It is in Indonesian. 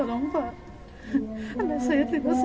penangkapan dpu peggy mendapat respons